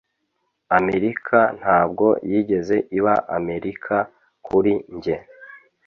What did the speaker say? amerika ntabwo yigeze iba amerika kuri njye